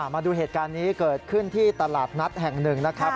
มาดูเหตุการณ์นี้เกิดขึ้นที่ตลาดนัดแห่งหนึ่งนะครับ